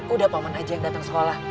udah paman aja yang datang sekolah